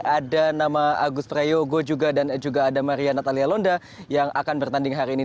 ada nama agus prayogo dan juga ada maria natalia londa yang akan bertanding hari ini